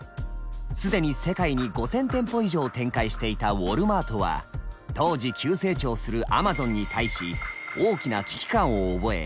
既に世界に５，０００店舗以上展開していたウォルマートは当時急成長するアマゾンに対し大きな危機感を覚え